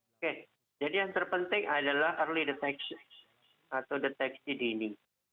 oke jadi yang terpenting adalah early detection atau deteksi dini